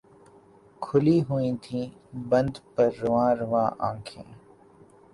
کھُلی ہوئی تھیں بدن پر رُواں رُواں آنکھیں